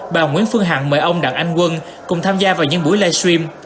bà nguyễn phương hằng mời ông đặng anh quân cùng tham gia vào những buổi livestream